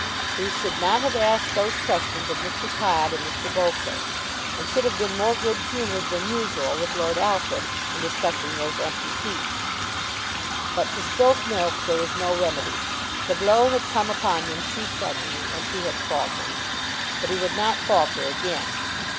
He should not have asked those questions of Mr. Todd and Mr. Beauclerk, and should have been more good humoured than usual with Lord Alfred in discussing those empty seats. But for spilt milk there is no remedy. The blow had come upon him too suddenly, and he had faltered. But he would not falter again.